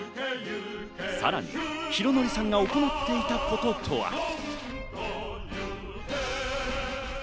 さらに宏典さんが行っていたこととは。